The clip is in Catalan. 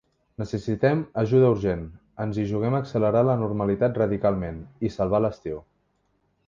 Necessitem ajuda urgent, ens hi juguem accelerar la normalitat radicalment, i salvar l'estiu.